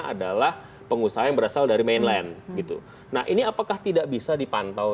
adalah pengusaha yang berasal dari mainland gitu nah ini apakah tidak bisa dipantau